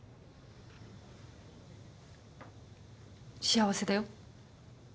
幸せだよ。